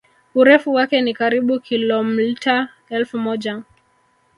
Urefu wake ni karibu kilomIta elfu moja